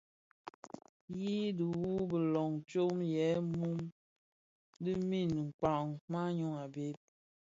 Yi dhiwu bilom tsom yè mum di nin kpag maňyu a bhëg.